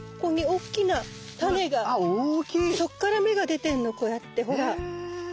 そっから芽が出てんのこうやってほら。